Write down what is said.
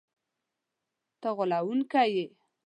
ته غولونکی یې!”